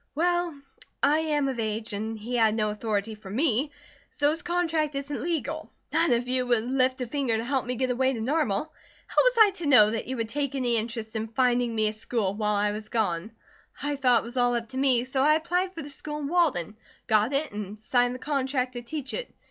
"Well, I am of age, and he had no authority from me, so his contract isn't legal. None of you would lift a finger to help me get away to Normal, how was I to know that you would take any interest in finding me a school while I was gone? I thought it was all up to me, so I applied for the school in Walden, got it, and signed the contract to teach it.